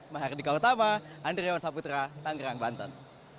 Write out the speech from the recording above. mahardika utama andri dewan saputra tangerang banten